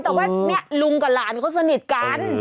แต่ว่าเนี่ยลุงกับหลานเขาสนิทกัน